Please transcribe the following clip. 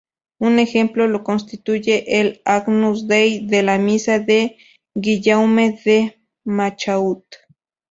Un ejemplo lo constituye el "Agnus Dei" de la misa de Guillaume de Machaut.